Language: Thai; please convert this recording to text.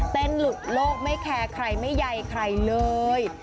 หลุดโลกไม่แคร์ใครไม่ใยใครเลย